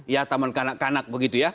ya taman kanak kanak begitu ya